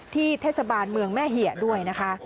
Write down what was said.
ที่เทศบาลเมืองแม่เหยะด้วยนะคะ